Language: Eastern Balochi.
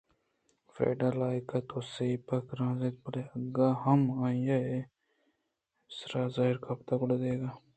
فریڈا لائقےتوسیپ کرزیت بلئے اگاں یکے ءَآئی ءِ سرا زہر کیت گڑا دگہ ہچ مہ کنت آئی ءِ سرا بہ کندیت